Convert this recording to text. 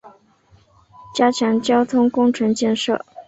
加强交通工程建设